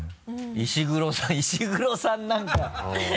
「石黒さん」石黒さんなんか